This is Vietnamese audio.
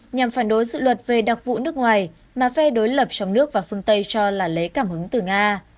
nhằm phản đối dự luật về đặc vụ nước ngoài mà phe đối lập trong nước và phương tây cho là lấy cảm hứng từ nga